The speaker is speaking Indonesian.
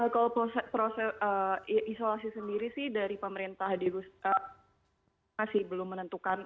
kalau proses isolasi sendiri sih dari pemerintah masih belum menentukan